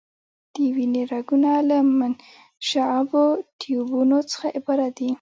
د وینې رګونه له منشعبو ټیوبونو څخه عبارت دي.